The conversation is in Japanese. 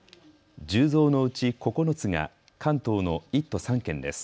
１０増のうち９つが関東の１都３県です。